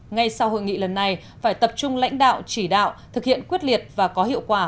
ngay sau hội nghị lần này phải tập trung lãnh đạo chỉ đạo thực hiện quyết liệt và có hiệu quả